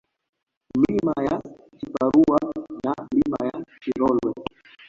Milima ya Chiparua na Milima ya Chirolwe